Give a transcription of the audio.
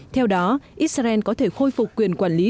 theo đó israel có thể khôi phục quyền quản lý